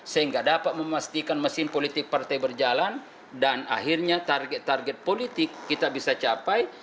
sehingga dapat memastikan mesin politik partai berjalan dan akhirnya target target politik kita bisa capai